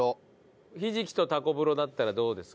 ひじきとたこブロだったらどうですか？